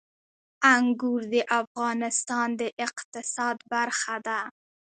انګور د افغانستان د اقتصاد برخه ده.